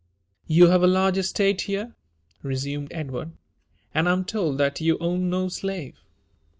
*' You have a large estate here," resumed Edward, '' and I am told that you own no slave.